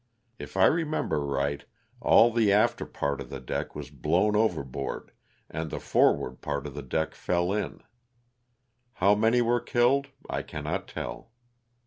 If I remember right all the after part of the deck was blown over board and the forward part of the deck fell in. How many were killed, I cannot tell.